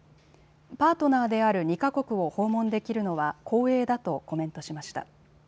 パートナーである２か国を訪問できるのは光栄だとコメントしました。